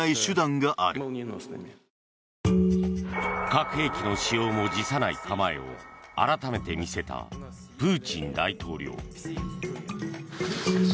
核兵器の使用も辞さない構えを改めて見せたプーチン大統領。